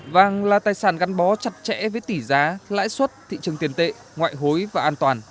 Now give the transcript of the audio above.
vàng là tài sản gắn bó chặt chẽ với tỷ giá lãi suất thị trường tiền tệ ngoại hối và an toàn